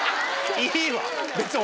いいわ。